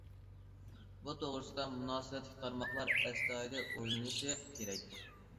بۇ توغرىسىدا مۇناسىۋەتلىك تارماقلار ئەستايىدىل ئويلىنىشى كېرەك.